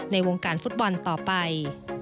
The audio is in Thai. ในวงการฟุตบอลต่อไป